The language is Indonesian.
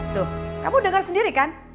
tuh kamu dengar sendiri kan